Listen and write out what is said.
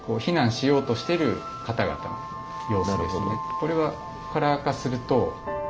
これはカラー化すると。